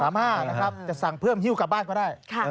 สามห้านะครับจะสั่งเพิ่มหิ้วกลับบ้านก็ได้